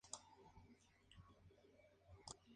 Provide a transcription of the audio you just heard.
Esta oportunidad la tendrán en el segundo laberinto.